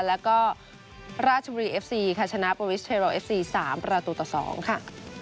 แล้วก็ราชบุรีเอฟซีค่ะชนะโปรวิสเทโรเอฟซี๓ประตูต่อ๒ค่ะ